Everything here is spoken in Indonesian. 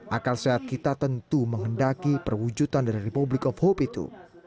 akal sehat kita tentu menghendaki perwujudan dari republik of hope itu